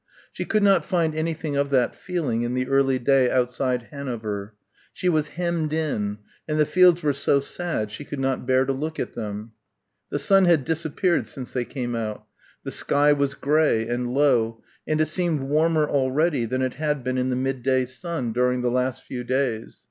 She could not find anything of that feeling in the early day outside Hanover. She was hemmed in, and the fields were so sad she could not bear to look at them. The sun had disappeared since they came out. The sky was grey and low and it seemed warmer already than it had been in the midday sun during the last few days.